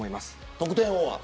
得点王は。